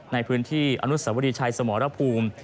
ในพื้นที่อนุสวรีชัยสมรภูมิ